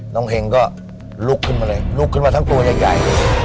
เฮงก็ลุกขึ้นมาเลยลุกขึ้นมาทั้งตัวใหญ่